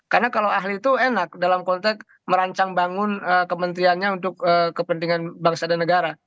karena kalau ahli itu enak dalam konteks merancang bangun kementeriannya untuk kepentingan bangsa dan negara